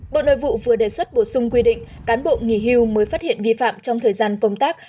bộ nội vụ vừa đề xuất bổ sung quy định cán bộ nghỉ hưu mới phát hiện vi phạm trong thời gian công tác